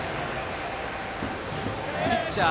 ピッチャー